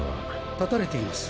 断たれています。